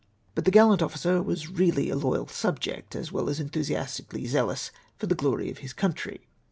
But the gallant officer was really a loyal subject, as well as enthusiastically zealous for the glory of his country.